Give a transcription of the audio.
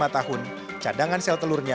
tiga puluh lima tahun cadangan sel telurnya